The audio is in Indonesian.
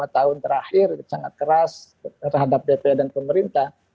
lima tahun terakhir sangat keras terhadap dpr dan pemerintah